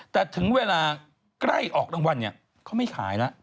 แต่ถึงเวลาใกล้ออกรางวัลเนี่ยเขาไม่ขายแล้ว